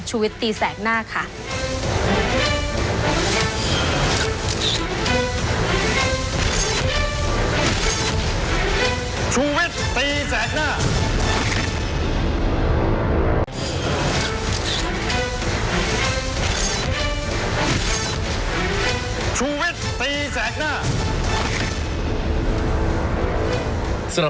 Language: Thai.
วิตตีแสกหน้าค่ะ